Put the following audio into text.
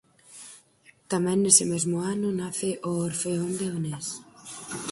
Tamén nese mesmo ano nace o Orfeón Leonés.